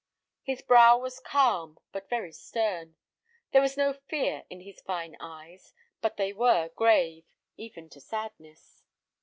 His brow was calm, but very stern; there was no fear in his fine eyes, but they were grave, even to sadness.